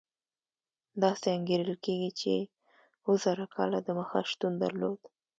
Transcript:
داسې انګېرل کېږي چې اوه زره کاله دمخه شتون درلود.